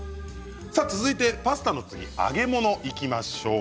さあ続いてパスタの次揚げ物いきましょう。